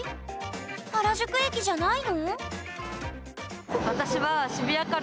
原宿駅じゃないの？